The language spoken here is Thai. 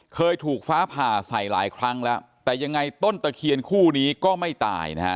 เคยถูกฟ้าผ่าใส่หลายครั้งแล้วแต่ยังไงต้นตะเคียนคู่นี้ก็ไม่ตายนะฮะ